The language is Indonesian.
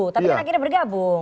tapi kan akhirnya bergabung